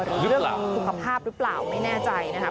เรื่องของสุขภาพหรือเปล่าไม่แน่ใจนะครับ